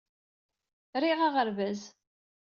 Riɣ aɣerbaz.